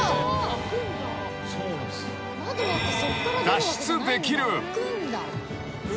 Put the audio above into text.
［脱出できる］